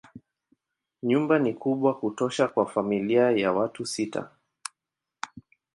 Nyumba ni kubwa kutosha kwa familia ya watu sita.